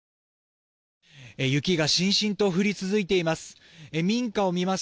雪がしんしんと降り続いています。